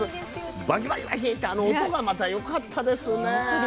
バキバキバキってあの音がまたよかったですね。